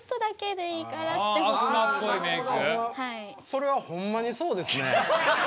それはほんまにそうですね。